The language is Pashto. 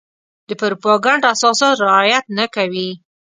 د پروپاګنډ اساسات رعايت نه کوي.